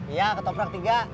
iya ke toprak tiga